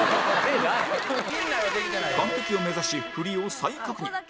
完璧を目指し振りを再確認